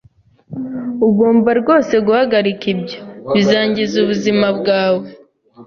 Ugomba rwose guhagarika ibyo. Bizangiza ubuzima bwawe